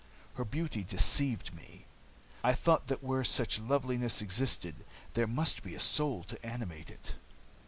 Her beauty deceived me. I thought that where such loveliness existed, there must be a soul to animate it.